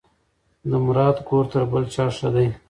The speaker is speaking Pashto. د مراد کور تر بل چا ښه دی.